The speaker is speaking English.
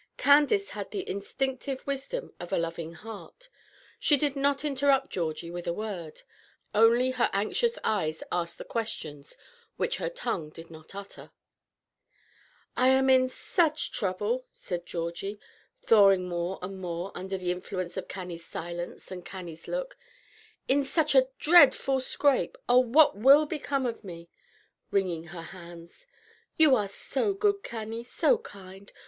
Candace had the instinctive wisdom of a loving heart. She did not interrupt Georgie with a word; only her anxious eyes asked the questions which her tongue did not utter. "I am in such trouble," said Georgie, thawing more and more under the influence of Cannie's silence and Cannie's look, "in such a dreadful scrape! Oh, what will become of me?" wringing her hands. "You are so good, Cannie, so kind.